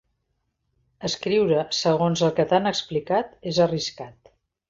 Escriure segons el que t'han explicat és arriscat.